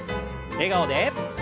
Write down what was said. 笑顔で。